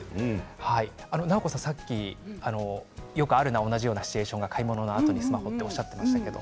奈穂子さん、さっきよくあるな同じようなシチュエーションが買い物のあとスマホにとおっしゃいましたけど。